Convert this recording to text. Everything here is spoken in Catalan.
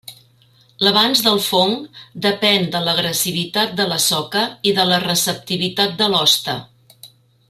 L'avanç del fong depèn de l'agressivitat de la soca i de la receptivitat de l'hoste.